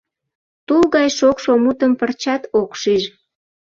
Тул гай шокшо мутым пырчат ок шиж.